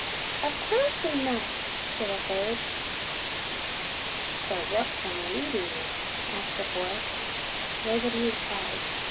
"Of course we must," said a third. "But what can we do?" asked a fourth. Nobody replied.